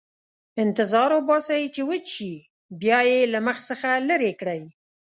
انتظار وباسئ چې وچ شي، بیا یې له مخ څخه لرې کړئ.